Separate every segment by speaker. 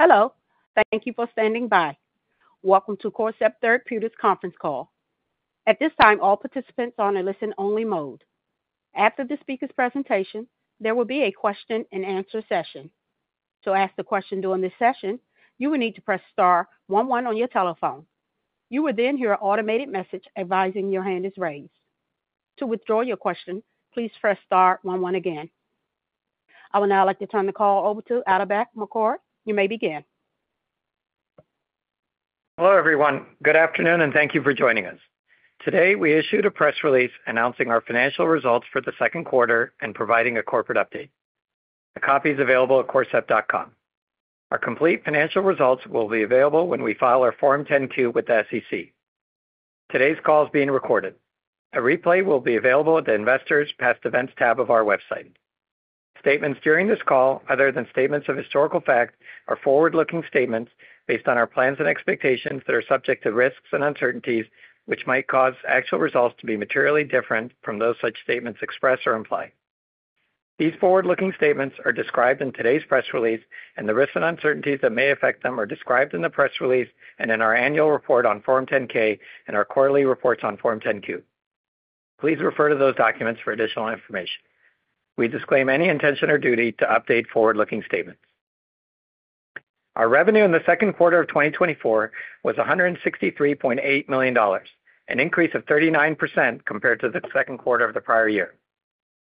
Speaker 1: Hello. Thank you for standing by. Welcome to Corcept Therapeutics' conference call. At this time, all participants are on a listen-only mode. After the speaker's presentation, there will be a question-and-answer session. To ask a question during this session, you will need to press star one one on your telephone. You will then hear an automated message advising your hand is raised. To withdraw your question, please press star one one again. I would now like to turn the call over to Atabak Mokari. You may begin.
Speaker 2: Hello, everyone. Good afternoon, and thank you for joining us. Today, we issued a press release announcing our financial results for the second quarter and providing a corporate update. The copy is available at corcept.com. Our complete financial results will be available when we file our Form 10-Q with the SEC. Today's call is being recorded. A replay will be available at the Investors' Past Events tab of our website. Statements during this call, other than statements of historical fact, are forward-looking statements based on our plans and expectations that are subject to risks and uncertainties, which might cause actual results to be materially different from those such statements express or imply. These forward-looking statements are described in today's press release, and the risks and uncertainties that may affect them are described in the press release and in our annual report on Form 10-K and our quarterly reports on Form 10-Q. Please refer to those documents for additional information. We disclaim any intention or duty to update forward-looking statements. Our revenue in the second quarter of 2024 was $163.8 million, an increase of 39% compared to the second quarter of the prior year.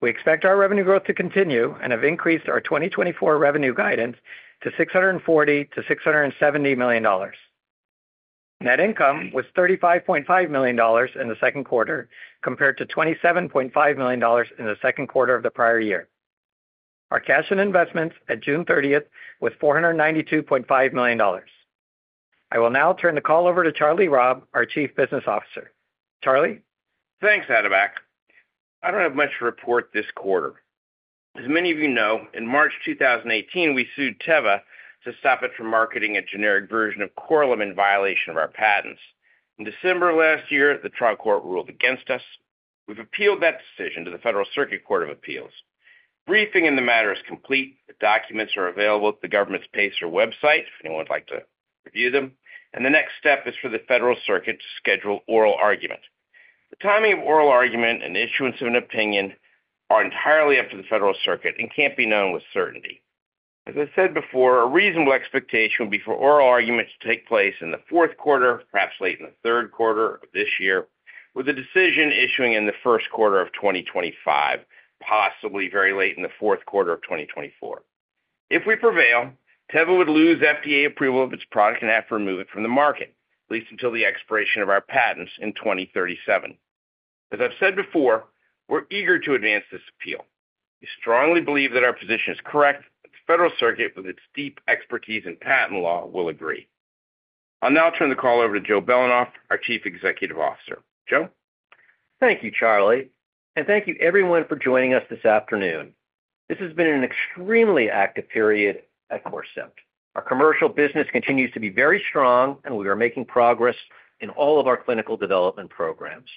Speaker 2: We expect our revenue growth to continue and have increased our 2024 revenue guidance to $640-$670 million. Net income was $35.5 million in the second quarter compared to $27.5 million in the second quarter of the prior year. Our cash and investments at June 30th was $492.5 million. I will now turn the call over to Charlie Robb, our Chief Business Officer. Charlie.
Speaker 3: Thanks, Atabak. I don't have much to report this quarter. As many of you know, in March 2018, we sued Teva to stop it from marketing a generic version of Korlym in violation of our patents. In December of last year, the trial court ruled against us. We've appealed that decision to the Federal Circuit Court of Appeals. Briefing in the matter is complete. The documents are available at the government's PACER website if anyone would like to review them. The next step is for the Federal Circuit to schedule oral argument. The timing of oral argument and the issuance of an opinion are entirely up to the Federal Circuit and can't be known with certainty. As I said before, a reasonable expectation would be for oral arguments to take place in the fourth quarter, perhaps late in the third quarter of this year, with a decision issuing in the first quarter of 2025, possibly very late in the fourth quarter of 2024. If we prevail, Teva would lose FDA approval of its product and have to remove it from the market, at least until the expiration of our patents in 2037. As I've said before, we're eager to advance this appeal. We strongly believe that our position is correct, and the Federal Circuit, with its deep expertise in patent law, will agree. I'll now turn the call over to Joe Belanoff, our Chief Executive Officer. Joe?
Speaker 4: Thank you, Charlie. And thank you, everyone, for joining us this afternoon. This has been an extremely active period at Corcept. Our commercial business continues to be very strong, and we are making progress in all of our clinical development programs.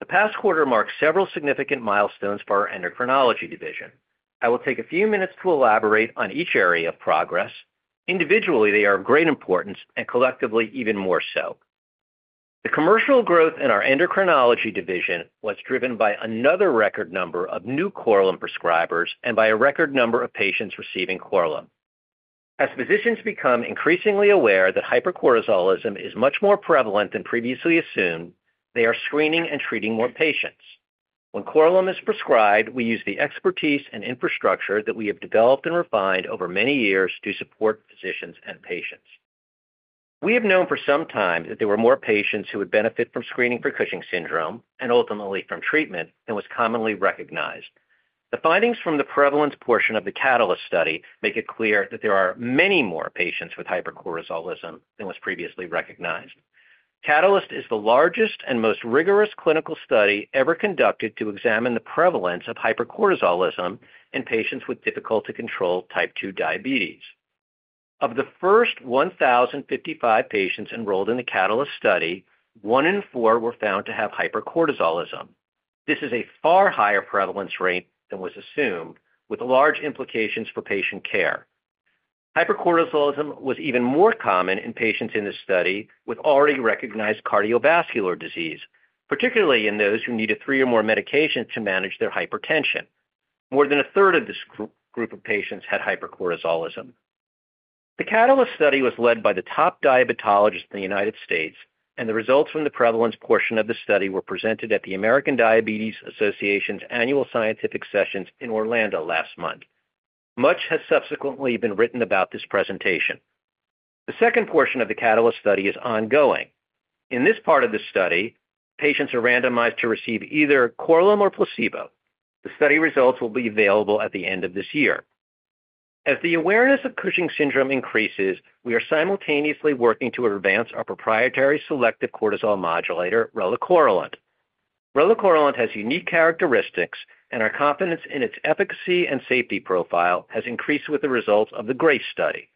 Speaker 4: The past quarter marked several significant milestones for our endocrinology division. I will take a few minutes to elaborate on each area of progress. Individually, they are of great importance, and collectively, even more so. The commercial growth in our endocrinology division was driven by another record number of new Korlym prescribers and by a record number of patients receiving Korlym. As physicians become increasingly aware that hypercortisolism is much more prevalent than previously assumed, they are screening and treating more patients. When Korlym is prescribed, we use the expertise and infrastructure that we have developed and refined over many years to support physicians and patients. We have known for some time that there were more patients who would benefit from screening for Cushing syndrome and ultimately from treatment than was commonly recognized. The findings from the prevalence portion of the CATALYST study make it clear that there are many more patients with hypercortisolism than was previously recognized. CATALYST is the largest and most rigorous clinical study ever conducted to examine the prevalence of hypercortisolism in patients with difficult-to-control type 2 diabetes. Of the first 1,055 patients enrolled in the CATALYST study, one in four were found to have hypercortisolism. This is a far higher prevalence rate than was assumed, with large implications for patient care. Hypercortisolism was even more common in patients in this study with already recognized cardiovascular disease, particularly in those who needed three or more medications to manage their hypertension. More than a third of this group of patients had hypercortisolism. The CATALYST study was led by the top diabetologists in the United States, and the results from the prevalence portion of the study were presented at the American Diabetes Association's annual scientific sessions in Orlando last month. Much has subsequently been written about this presentation. The second portion of the CATALYST study is ongoing. In this part of the study, patients are randomized to receive either Korlym or placebo. The study results will be available at the end of this year. As the awareness of Cushing syndrome increases, we are simultaneously working to advance our proprietary selective cortisol modulator, relacorilant. Relacorilant has unique characteristics, and our confidence in its efficacy and safety profile has increased with the results of the GRACE study.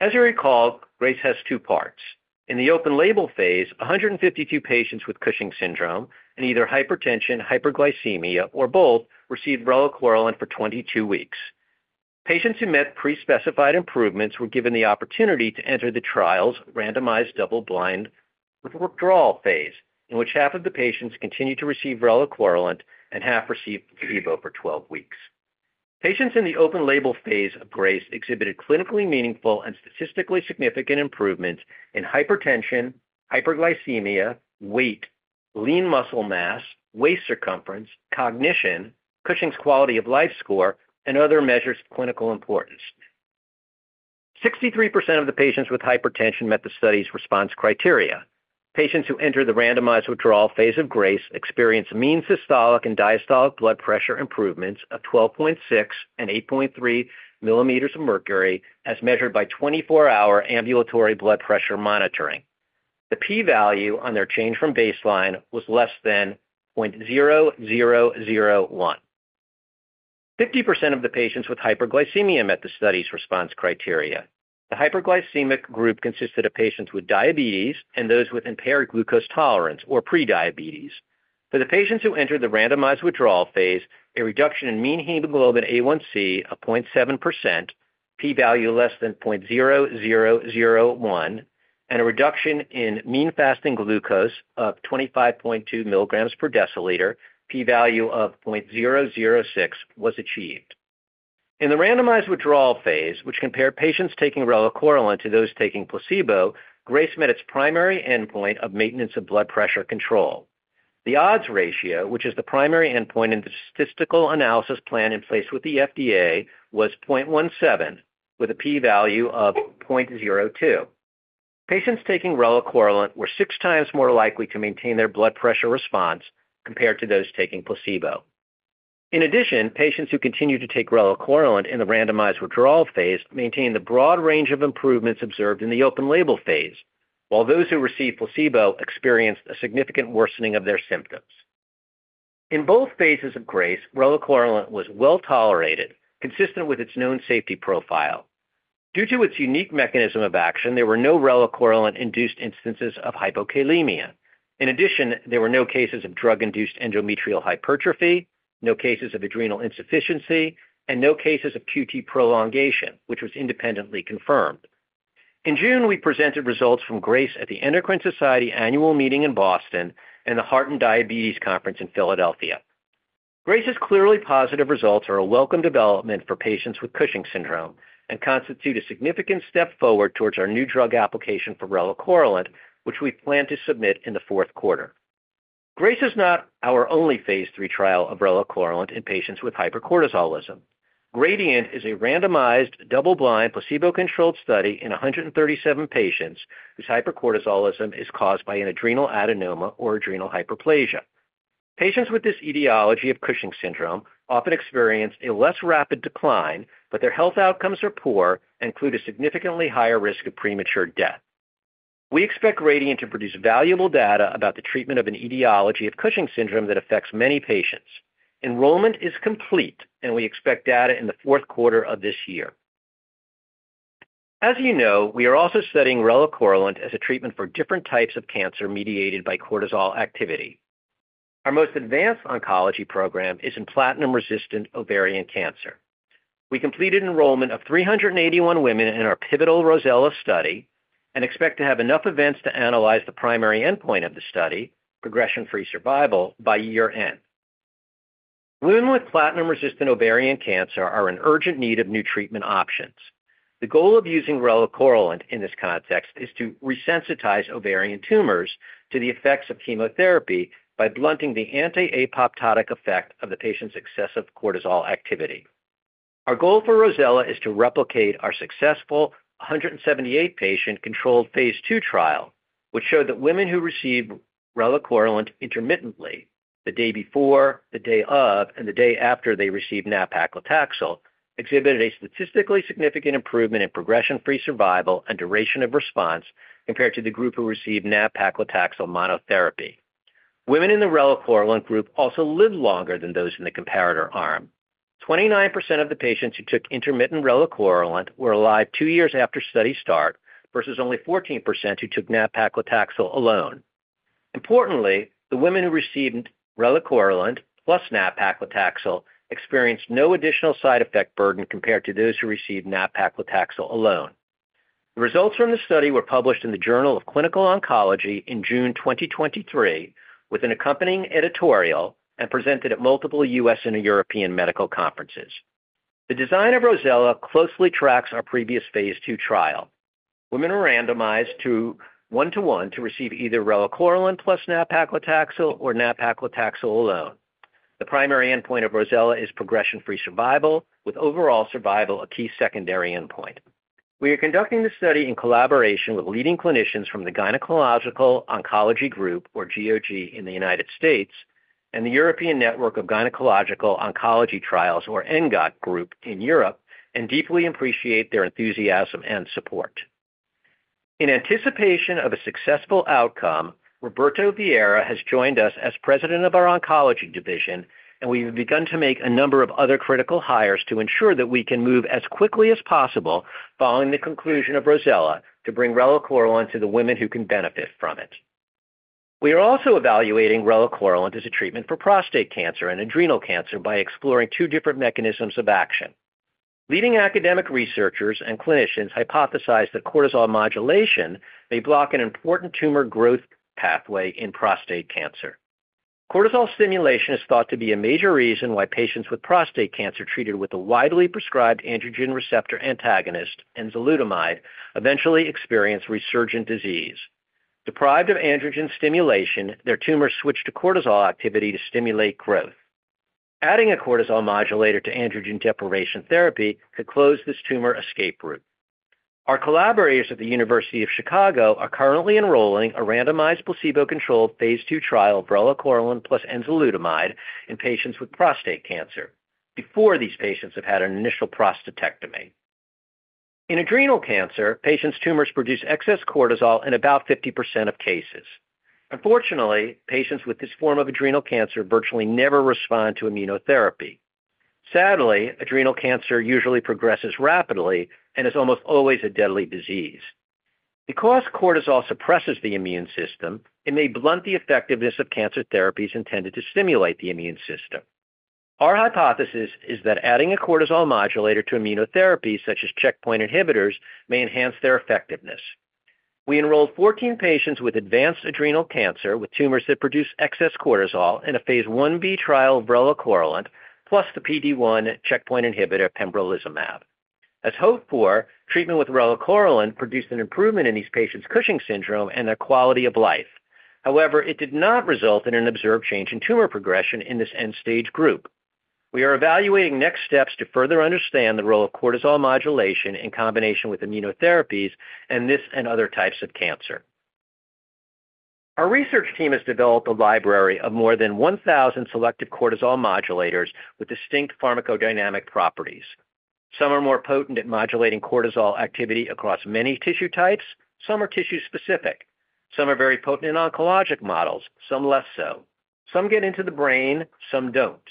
Speaker 4: As you recall, GRACE has two parts. In the open-label phase, 152 patients with Cushing syndrome and either hypertension, hyperglycemia, or both received relacorilant for 22 weeks. Patients who met pre-specified improvements were given the opportunity to enter the trial's randomized double-blind withdrawal phase, in which half of the patients continued to receive relacorilant and half received placebo for 12 weeks. Patients in the open-label phase of GRACE exhibited clinically meaningful and statistically significant improvements in hypertension, hyperglycemia, weight, lean muscle mass, waist circumference, cognition, Cushing's quality of life score, and other measures of clinical importance. 63% of the patients with hypertension met the study's response criteria. Patients who entered the randomized withdrawal phase of GRACE experienced mean systolic and diastolic blood pressure improvements of 12.6 and 8.3 millimeters of mercury, as measured by 24-hour ambulatory blood pressure monitoring. The p-value on their change from baseline was less than 0.001. 50% of the patients with hyperglycemia met the study's response criteria. The hyperglycemic group consisted of patients with diabetes and those with impaired glucose tolerance or prediabetes. For the patients who entered the randomized withdrawal phase, a reduction in mean hemoglobin A1C of 0.7%, p-value less than 0.001, and a reduction in mean fasting glucose of 25.2 milligrams per deciliter, p-value of 0.006, was achieved. In the randomized withdrawal phase, which compared patients taking relacorilant to those taking placebo, GRACE met its primary endpoint of maintenance of blood pressure control. The odds ratio, which is the primary endpoint in the statistical analysis plan in place with the FDA, was 0.17, with a p-value of 0.02. Patients taking relacorilant were six times more likely to maintain their blood pressure response compared to those taking placebo. In addition, patients who continued to take relacorilant in the randomized withdrawal phase maintained the broad range of improvements observed in the open-label phase, while those who received placebo experienced a significant worsening of their symptoms. In both phases of GRACE, relacorilant was well tolerated, consistent with its known safety profile. Due to its unique mechanism of action, there were no relacorilant-induced instances of hypokalemia. In addition, there were no cases of drug-induced endometrial hypertrophy, no cases of adrenal insufficiency, and no cases of QT prolongation, which was independently confirmed. In June, we presented results from GRACE at the Endocrine Society annual meeting in Boston and the Heart in Diabetes Conference in Philadelphia. GRACE's clearly positive results are a welcome development for patients with Cushing syndrome and constitute a significant step forward towards our new drug application for relacorilant, which we plan to submit in the fourth quarter. GRACE is not our only phase III trial of relacorilant in patients with hypercortisolism. GRADIENT is a randomized double-blind placebo-controlled study in 137 patients whose hypercortisolism is caused by an adrenal adenoma or adrenal hyperplasia. Patients with this etiology of Cushing syndrome often experience a less rapid decline, but their health outcomes are poor and include a significantly higher risk of premature death. We expect GRADIENT to produce valuable data about the treatment of an etiology of Cushing syndrome that affects many patients. Enrollment is complete, and we expect data in the fourth quarter of this year. As you know, we are also studying relacorilant as a treatment for different types of cancer mediated by cortisol activity. Our most advanced oncology program is in platinum-resistant ovarian cancer. We completed enrollment of 381 women in our pivotal ROSELLA study and expect to have enough events to analyze the primary endpoint of the study, progression-free survival, by year end. Women with platinum-resistant ovarian cancer are in urgent need of new treatment options. The goal of using relacorilant in this context is to resensitize ovarian tumors to the effects of chemotherapy by blunting the anti-apoptotic effect of the patient's excessive cortisol activity. Our goal for ROSELLA is to replicate our successful 178-patient controlled phase II trial, which showed that women who received relacorilant intermittently, the day before, the day of, and the day after they received nab-paclitaxel, exhibited a statistically significant improvement in progression-free survival and duration of response compared to the group who received nab-paclitaxel monotherapy. Women in the relacorilant group also lived longer than those in the comparator arm. 29% of the patients who took intermittent relacorilant were alive two years after study start versus only 14% who took nab-paclitaxel alone. Importantly, the women who received relacorilant plus nab-paclitaxel experienced no additional side effect burden compared to those who received nab-paclitaxel alone. The results from the study were published in the Journal of Clinical Oncology in June 2023 with an accompanying editorial and presented at multiple U.S. and European medical conferences. The design of ROSELLA closely tracks our previous phase II trial. Women were randomized 1:1 to receive either relacorilant plus nab-paclitaxel or nab-paclitaxel alone. The primary endpoint of ROSELLA is progression-free survival, with overall survival a key secondary endpoint. We are conducting the study in collaboration with leading clinicians from the Gynecologic Oncology Group, or GOG, in the United States, and the European Network of Gynecologic Oncology Trials, or ENGOT, Group in Europe, and deeply appreciate their enthusiasm and support. In anticipation of a successful outcome, Roberto Vieira has joined us as president of our oncology division, and we have begun to make a number of other critical hires to ensure that we can move as quickly as possible following the conclusion of ROSELLA to bring relacorilant to the women who can benefit from it. We are also evaluating relacorilant as a treatment for prostate cancer and adrenal cancer by exploring two different mechanisms of action. Leading academic researchers and clinicians hypothesize that cortisol modulation may block an important tumor growth pathway in prostate cancer. Cortisol stimulation is thought to be a major reason why patients with prostate cancer treated with the widely prescribed androgen receptor antagonist, enzalutamide, eventually experience resurgent disease. Deprived of androgen stimulation, their tumors switch to cortisol activity to stimulate growth. Adding a cortisol modulator to androgen deprivation therapy could close this tumor escape route. Our collaborators at the University of Chicago are currently enrolling a randomized placebo-controlled phase II trial of relacorilant plus enzalutamide in patients with prostate cancer before these patients have had an initial prostatectomy. In adrenal cancer, patients' tumors produce excess cortisol in about 50% of cases. Unfortunately, patients with this form of adrenal cancer virtually never respond to immunotherapy. Sadly, adrenal cancer usually progresses rapidly and is almost always a deadly disease. Because cortisol suppresses the immune system, it may blunt the effectiveness of cancer therapies intended to stimulate the immune system. Our hypothesis is that adding a cortisol modulator to immunotherapy, such as checkpoint inhibitors, may enhance their effectiveness. We enrolled 14 patients with advanced adrenal cancer with tumors that produce excess cortisol in a phase I-B trial of relacorilant plus the PD-1 checkpoint inhibitor pembrolizumab. As hoped for, treatment with relacorilant produced an improvement in these patients' Cushing syndrome and their quality of life. However, it did not result in an observed change in tumor progression in this end-stage group. We are evaluating next steps to further understand the role of cortisol modulation in combination with immunotherapies in this and other types of cancer. Our research team has developed a library of more than 1,000 selective cortisol modulators with distinct pharmacodynamic properties. Some are more potent at modulating cortisol activity across many tissue types. Some are tissue-specific. Some are very potent in oncologic models. Some less so. Some get into the brain. Some don't.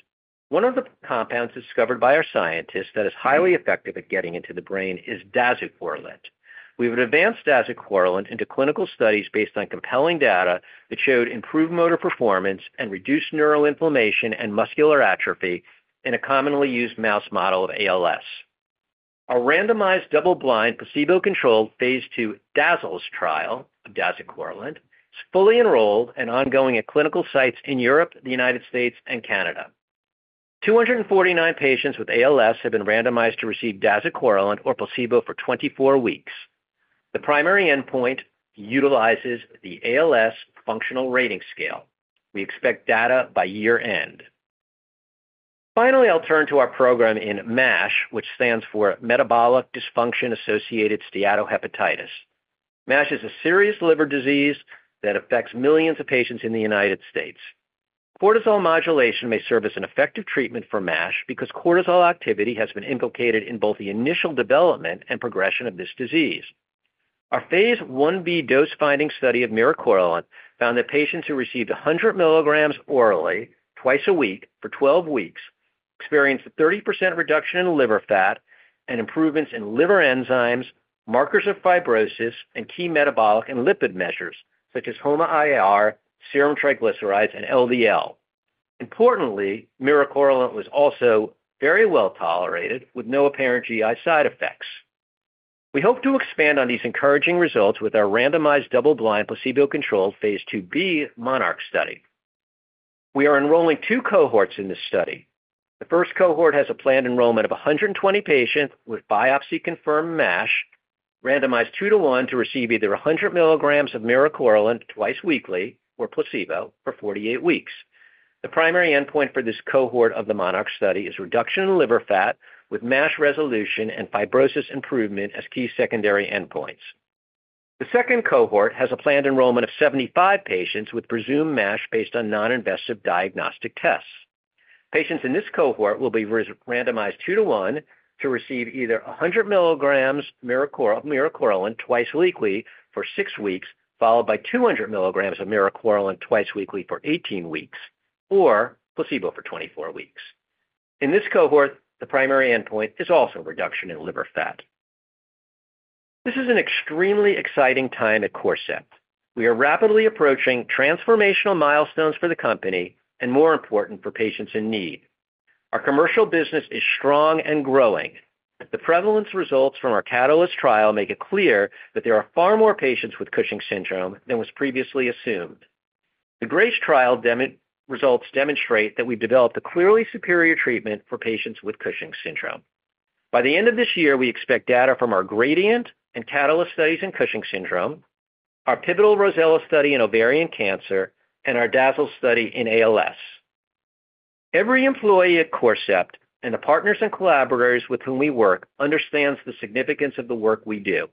Speaker 4: One of the compounds discovered by our scientists that is highly effective at getting into the brain is dazucorilant. We have advanced relacorilant into clinical studies based on compelling data that showed improved motor performance and reduced neural inflammation and muscular atrophy in a commonly used mouse model of ALS. Our randomized double-blind placebo-controlled phase II DAZALS trial of relacorilant is fully enrolled and ongoing at clinical sites in Europe, the United States, and Canada. 249 patients with ALS have been randomized to receive relacorilant or placebo for 24 weeks. The primary endpoint utilizes the ALS Functional Rating Scale. We expect data by year-end. Finally, I'll turn to our program in MASH, which stands for Metabolic Dysfunction-Associated Steatohepatitis. MASH is a serious liver disease that affects millions of patients in the United States. Cortisol modulation may serve as an effective treatment for MASH because cortisol activity has been implicated in both the initial development and progression of this disease. Our phase I-B dose-finding study of miricorilant found that patients who received 100 milligrams orally twice a week for 12 weeks experienced a 30% reduction in liver fat and improvements in liver enzymes, markers of fibrosis, and key metabolic and lipid measures such as HOMA-IR, serum triglycerides, and LDL. Importantly, miricorilant was also very well tolerated with no apparent GI side effects. We hope to expand on these encouraging results with our randomized double-blind placebo-controlled phase II-B MONARCH study. We are enrolling two cohorts in this study. The first cohort has a planned enrollment of 120 patients with biopsy-confirmed MASH, randomized 2-to-1 to receive either 100 milligrams of miricorilant twice weekly or placebo for 48 weeks. The primary endpoint for this cohort of the MONARCH study is reduction in liver fat with MASH resolution and fibrosis improvement as key secondary endpoints. The second cohort has a planned enrollment of 75 patients with presumed MASH based on non-invasive diagnostic tests. Patients in this cohort will be randomized 2-to-1 to receive either 100 milligrams of miricorilant twice weekly for 6 weeks, followed by 200 milligrams of miricorilant twice weekly for 18 weeks, or placebo for 24 weeks. In this cohort, the primary endpoint is also reduction in liver fat. This is an extremely exciting time at Corcept. We are rapidly approaching transformational milestones for the company and, more important, for patients in need. Our commercial business is strong and growing. The prevalence results from our CATALYST trial make it clear that there are far more patients with Cushing syndrome than was previously assumed. The GRACE trial results demonstrate that we've developed a clearly superior treatment for patients with Cushing syndrome. By the end of this year, we expect data from our GRADIENT and CATALYST studies in Cushing syndrome, our pivotal ROSELLA study in ovarian cancer, and our DAZALS study in ALS. Every employee at Corcept and the partners and collaborators with whom we work understands the significance of the work we do.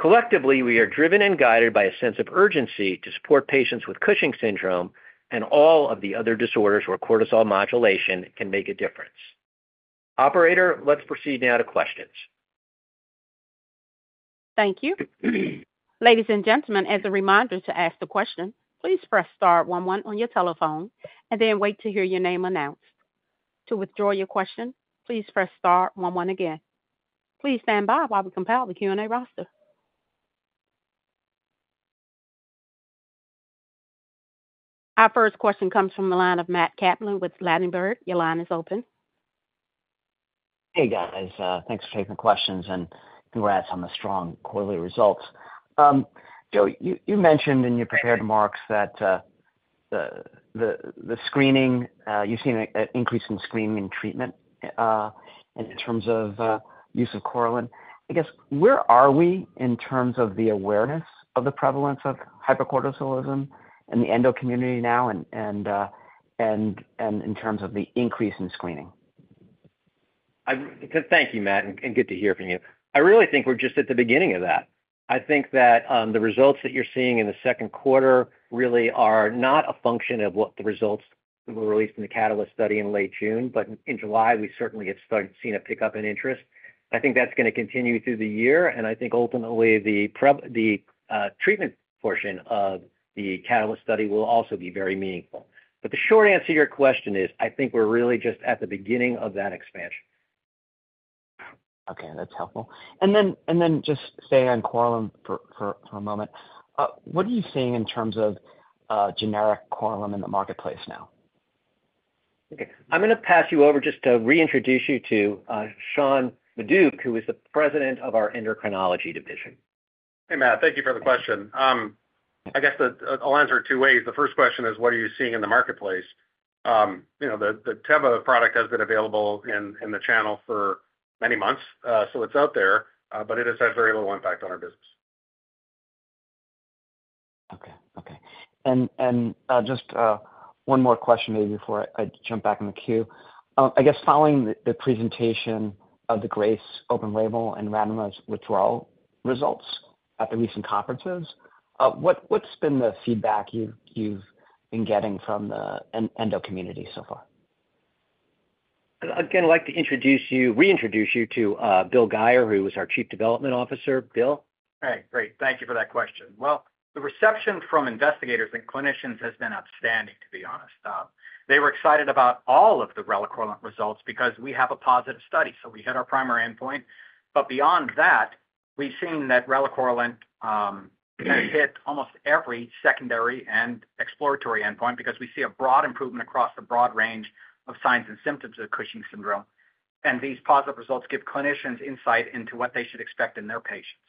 Speaker 4: Collectively, we are driven and guided by a sense of urgency to support patients with Cushing syndrome and all of the other disorders where cortisol modulation can make a difference. Operator, let's proceed now to questions.
Speaker 1: Thank you. Ladies and gentlemen, as a reminder to ask the question, please press star 11 on your telephone and then wait to hear your name announced. To withdraw your question, please press star 11 again. Please stand by while we compile the Q&A roster. Our first question comes from the line of Matt Kaplan with Ladenburg Thalmann. Your line is open.
Speaker 5: Hey, guys. Thanks for taking the questions and congrats on the strong quarterly results. Joe, you mentioned in your prepared remarks that the screening, you've seen an increase in screening and treatment in terms of use of Korlym. I guess, where are we in terms of the awareness of the prevalence of hypercortisolism in the endo community now and in terms of the increase in screening?
Speaker 4: Thank you, Matt, and good to hear from you. I really think we're just at the beginning of that. I think that the results that you're seeing in the second quarter really are not a function of what the results were released in the CATALYST study in late June, but in July, we certainly have started to see a pickup in interest. I think that's going to continue through the year, and I think ultimately the treatment portion of the CATALYST study will also be very meaningful. But the short answer to your question is I think we're really just at the beginning of that expansion.
Speaker 5: Okay. That's helpful. And then just staying on Korlym for a moment, what are you seeing in terms of generic Korlym in the marketplace now?
Speaker 4: Okay. I'm going to pass you over just to reintroduce you to Sean Maduck, who is the president of our Endocrinology Division.
Speaker 6: Hey, Matt. Thank you for the question. I guess I'll answer it two ways. The first question is, what are you seeing in the marketplace? The Teva product has been available in the channel for many months, so it's out there, but it has had very little impact on our business.
Speaker 5: Okay. Okay. Just one more question maybe before I jump back in the queue. I guess following the presentation of the GRACE open label and randomized withdrawal results at the recent conferences, what's been the feedback you've been getting from the endo community so far?
Speaker 4: Again, I'd like to introduce you, reintroduce you to Bill Guyer, who is our Chief Development Officer. Bill?
Speaker 7: Hey, great. Thank you for that question. Well, the reception from investigators and clinicians has been outstanding, to be honest. They were excited about all of the relacorilant results because we have a positive study, so we hit our primary endpoint. But beyond that, we've seen that relacorilant has hit almost every secondary and exploratory endpoint because we see a broad improvement across the broad range of signs and symptoms of Cushing syndrome. And these positive results give clinicians insight into what they should expect in their patients.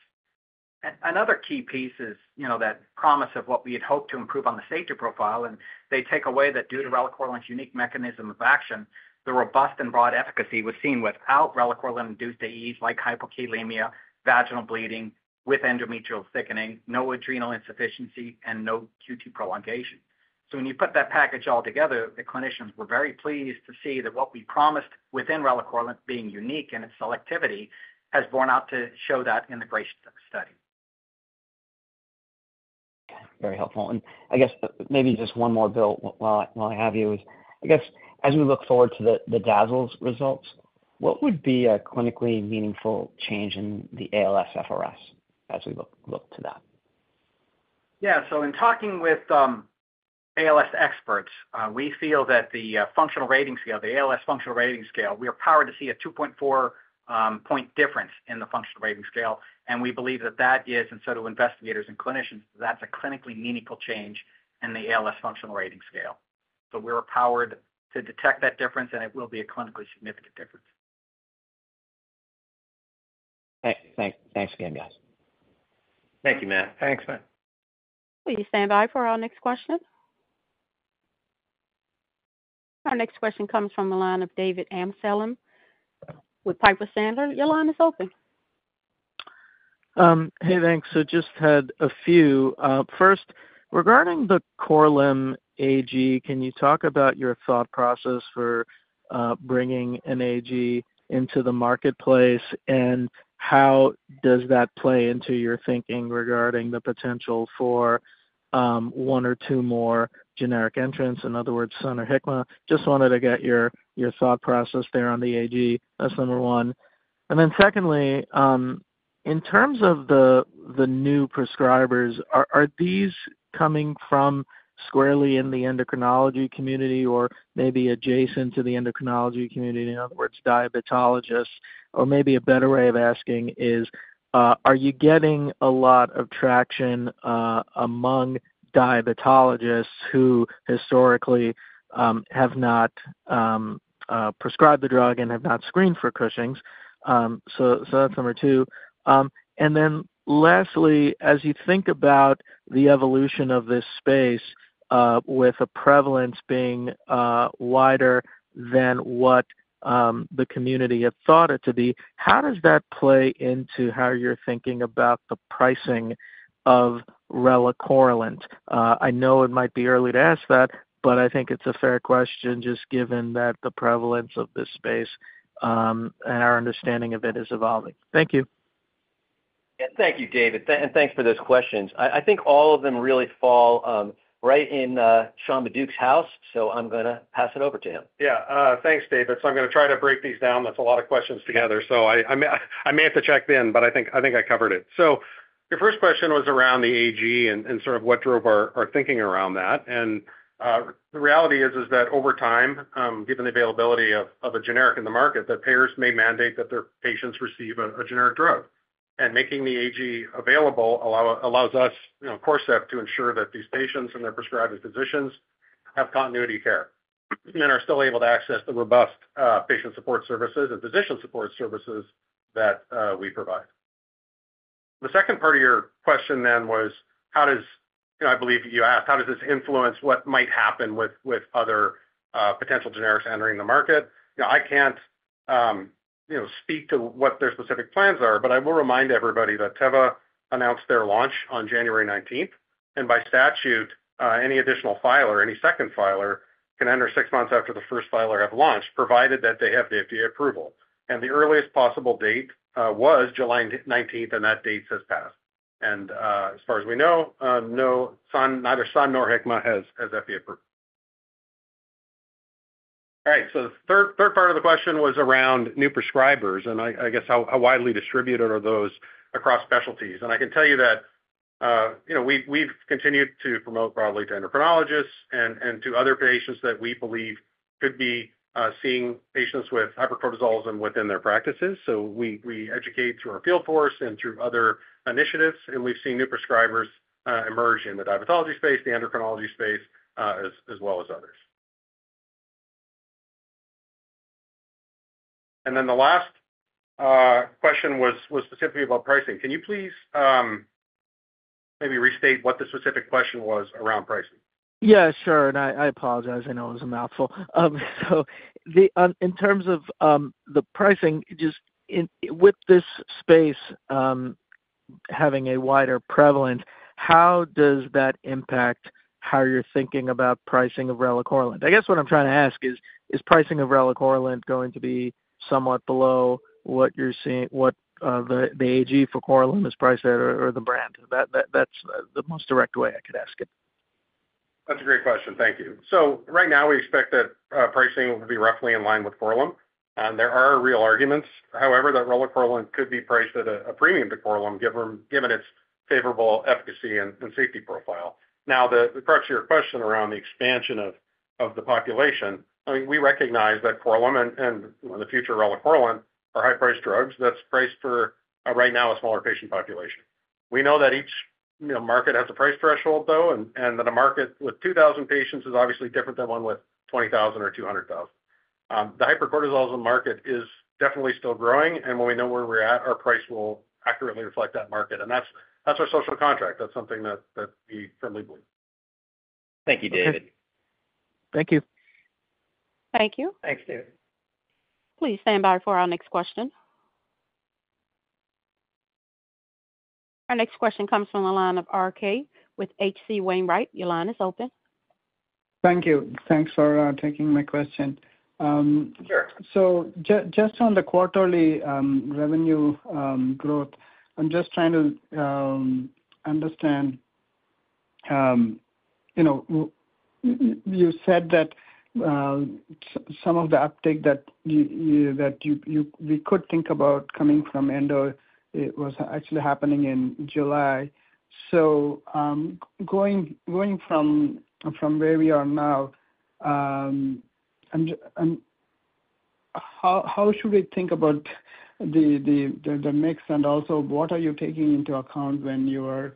Speaker 7: Another key piece is that promise of what we had hoped to improve on the safety profile, and they take away that due to relacorilant's unique mechanism of action, the robust and broad efficacy was seen without relacorilant-induced AEs like hypokalemia, vaginal bleeding with endometrial thickening, no adrenal insufficiency, and no QT prolongation. So when you put that package all together, the clinicians were very pleased to see that what we promised within relacorilant being unique in its selectivity has borne out to show that in the GRACE study.
Speaker 5: Okay. Very helpful. And I guess maybe just one more, Bill, while I have you, is I guess as we look forward to the DAZALS results, what would be a clinically meaningful change in the ALSFRS as we look to that?
Speaker 7: Yeah. So in talking with ALS experts, we feel that the functional rating scale, the ALS functional rating scale, we are powered to see a 2.4-point difference in the functional rating scale, and we believe that that is, and so do investigators and clinicians, that that's a clinically meaningful change in the ALS functional rating scale. So we were powered to detect that difference, and it will be a clinically significant difference.
Speaker 5: Okay. Thanks again, guys.
Speaker 7: Thank you, Matt.
Speaker 4: Thanks, Matt.
Speaker 1: Please stand by for our next question. Our next question comes from the line of David Amsellem with Piper Sandler. Your line is open.
Speaker 8: Hey, thanks. So just had a few. First, regarding the Korlym AG, can you talk about your thought process for bringing an AG into the marketplace, and how does that play into your thinking regarding the potential for one or two more generic entrants? In other words, Sun or Hikma. Just wanted to get your thought process there on the AG as number one. And then secondly, in terms of the new prescribers, are these coming from squarely in the endocrinology community or maybe adjacent to the endocrinology community? In other words, diabetologists, or maybe a better way of asking is, are you getting a lot of traction among diabetologists who historically have not prescribed the drug and have not screened for Cushing's? So that's number two. And then lastly, as you think about the evolution of this space with a prevalence being wider than what the community had thought it to be, how does that play into how you're thinking about the pricing of relacorilant? I know it might be early to ask that, but I think it's a fair question just given that the prevalence of this space and our understanding of it is evolving. Thank you.
Speaker 4: And thank you, David. And thanks for those questions. I think all of them really fall right in Sean Maduck's house, so I'm going to pass it over to him.
Speaker 6: Yeah. Thanks, David. So I'm going to try to break these down. That's a lot of questions together, so I may have to check then, but I think I covered it. So your first question was around the AG and sort of what drove our thinking around that. And the reality is that over time, given the availability of a generic in the market, that payers may mandate that their patients receive a generic drug. Making the AG available allows us, Corcept, to ensure that these patients and their prescribing physicians have continuity care and are still able to access the robust patient support services and physician support services that we provide. The second part of your question then was, how does I believe you asked, how does this influence what might happen with other potential generics entering the market? I can't speak to what their specific plans are, but I will remind everybody that Teva announced their launch on January 19th. And by statute, any additional filer, any second filer, can enter six months after the first filer has launched, provided that they have the FDA approval. And the earliest possible date was July 19th, and that date has passed. And as far as we know, neither Sun nor Hikma has FDA approval. All right. So the third part of the question was around new prescribers, and I guess how widely distributed are those across specialties? And I can tell you that we've continued to promote broadly to endocrinologists and to other patients that we believe could be seeing patients with hypercortisolism within their practices. So we educate through our field force and through other initiatives, and we've seen new prescribers emerge in the diabetology space, the endocrinology space, as well as others. And then the last question was specifically about pricing. Can you please maybe restate what the specific question was around pricing?
Speaker 8: Yeah, sure. And I apologize. I know it was a mouthful. So in terms of the pricing, just with this space having a wider prevalence, how does that impact how you're thinking about pricing of relacorilant? I guess what I'm trying to ask is, is pricing of relacorilant going to be somewhat below what the AG for Korlym is priced at or the brand? That's the most direct way I could ask it.
Speaker 6: That's a great question. Thank you. So right now, we expect that pricing will be roughly in line with Korlym. There are real arguments, however, that relacorilant could be priced at a premium to Korlym given its favorable efficacy and safety profile. Now, the correction to your question around the expansion of the population, we recognize that Korlym and the future relacorilant are high-priced drugs that's priced for, right now, a smaller patient population. We know that each market has a price threshold, though, and that a market with 2,000 patients is obviously different than one with 20,000 or 200,000. The hypercortisolism market is definitely still growing, and when we know where we're at, our price will accurately reflect that market. That's our social contract. That's something that we firmly believe. Thank you, David.
Speaker 8: Thank you.
Speaker 1: Thank you.
Speaker 4: Thanks, David.
Speaker 1: Please stand by for our next question. Our next question comes from the line of RK with H.C. Wainwright. Your line is open.
Speaker 9: Thank you. Thanks for taking my question. Just on the quarterly revenue growth, I'm just trying to understand. You said that some of the uptake that we could think about coming from endo was actually happening in July. Going from where we are now, how should we think about the mix and also what are you taking into account when you are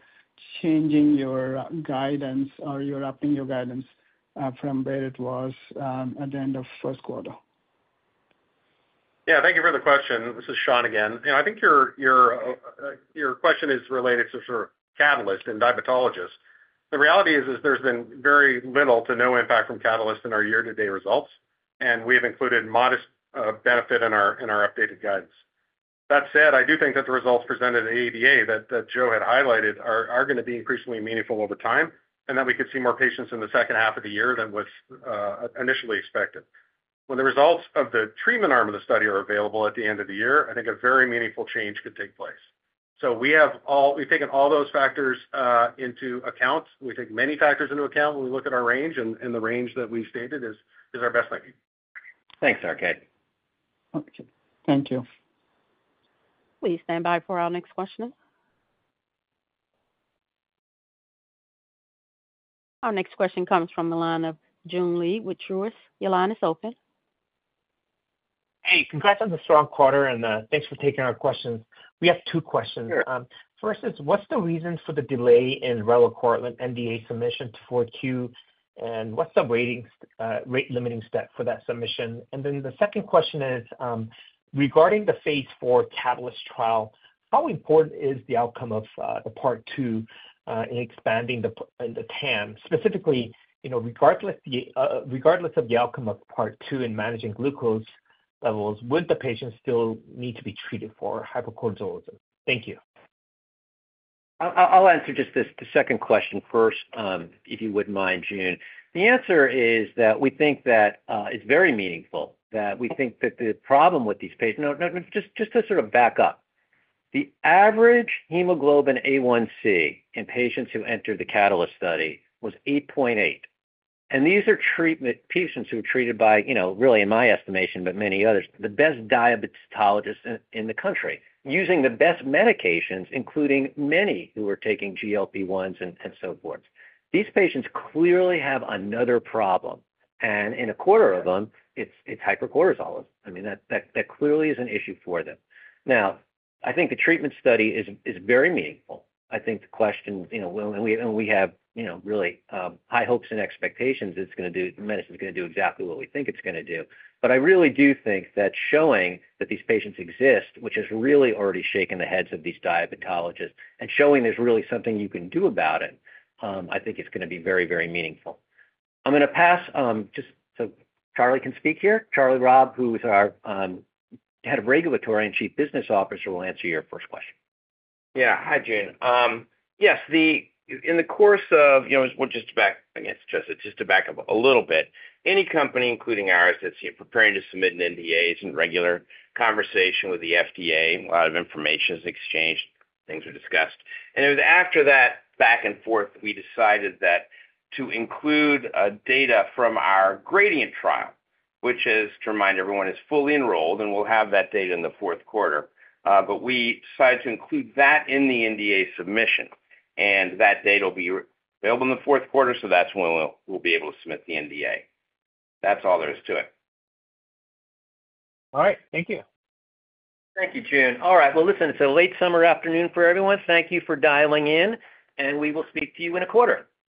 Speaker 9: changing your guidance or you're upping your guidance from where it was at the end of first quarter?
Speaker 6: Yeah. Thank you for the question. This is Sean again. I think your question is related to sort of catalyst and diabetologists. The reality is there's been very little to no impact from catalysts in our year-to-date results, and we have included modest benefit in our updated guidance. That said, I do think that the results presented at ADA that Joe had highlighted are going to be increasingly meaningful over time and that we could see more patients in the second half of the year than was initially expected. When the results of the treatment arm of the study are available at the end of the year, I think a very meaningful change could take place. So we've taken all those factors into account. We take many factors into account when we look at our range, and the range that we stated is our best thinking.
Speaker 4: Thanks, RK.
Speaker 9: Thank you.
Speaker 1: Please stand by for our next question. Our next question comes from the line of Joon Lee with Truist. Your line is open.
Speaker 10: Hey, congrats on the strong quarter, and thanks for taking our questions. We have two questions. First is, what's the reason for the delay in relacorilant NDA submission to 4Q, and what's the rate-limiting step for that submission? And then the second question is, regarding the phase IV CATALYST trial, how important is the outcome of part two in expanding the TAM? Specifically, regardless of the outcome of part two in managing glucose levels, would the patients still need to be treated for hypercortisolism? Thank you.
Speaker 4: I'll answer just the second question first, if you wouldn't mind, Joon. The answer is that we think that it's very meaningful, that we think that the problem with these patients—just to sort of back up—the average Hemoglobin A1C in patients who entered the CATALYST study was 8.8. These are patients who are treated by, really, in my estimation, but many others, the best diabetologists in the country, using the best medications, including many who are taking GLP-1s and so forth. These patients clearly have another problem, and in a quarter of them, it's hypercortisolism. I mean, that clearly is an issue for them. Now, I think the treatment study is very meaningful. I think the question—and we have really high hopes and expectations—it's going to do—the medicine's going to do exactly what we think it's going to do. But I really do think that showing that these patients exist, which has really already shaken the heads of these diabetologists, and showing there's really something you can do about it, I think it's going to be very, very meaningful. I'm going to pass just so Charlie can speak here. Charlie Robb, who is our Head of Regulatory and Chief Business Officer, will answer your first question.
Speaker 3: Yeah. Hi, Joon. Yes. In the course of, well, just to back, I guess just to back up a little bit, any company, including ours, that's preparing to submit an NDA, it's in regular conversation with the FDA. A lot of information is exchanged. Things are discussed. And it was after that back and forth we decided to include data from our GRADIENT trial, which is, to remind everyone, is fully enrolled, and we'll have that data in the fourth quarter. But we decided to include that in the NDA submission, and that data will be available in the fourth quarter, so that's when we'll be able to submit the NDA. That's all there is to it.
Speaker 10: All right. Thank you.
Speaker 2: Thank you, Joon. All right. Well, listen, it's a late summer afternoon for everyone. Thank you for dialing in, and we will speak to you in a quarter.